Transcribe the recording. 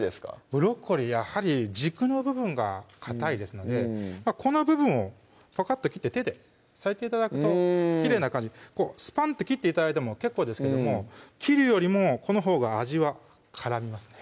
ブロッコリーやはり軸の部分がかたいですのでこの部分をパカッと切って手でさいて頂くときれいな感じスパンって切って頂いても結構ですけども切るよりもこのほうが味は絡みますね